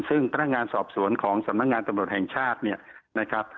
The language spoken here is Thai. ซึ่งพนักงานสอบสวนของสำนักงานตำรวจแห่งชาติเนี่ยนะครับ